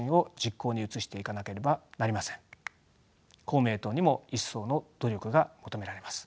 公明党にも一層の努力が求められます。